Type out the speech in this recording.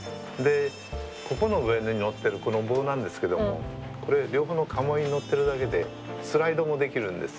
ここの上に載ってるこの棒なんですけどもこれ両方の鴨居に載ってるだけでスライドもできるんです。